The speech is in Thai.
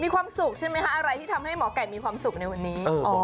มีความสุขใช่ไหมคะอะไรที่ทำให้หมอไก่มีความสุขในวันนี้